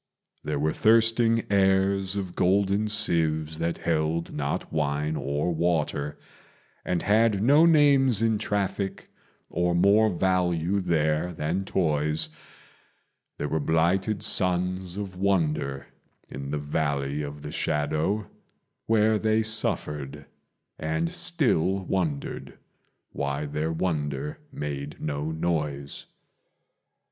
There were thirsting heirs of golden sieves that held not wine or water, And had no names in traffic or more value there than toys: There were blighted sons of wonder in the Valley of the Shadow, Where they suffered and still wondered why their wonder made no noise.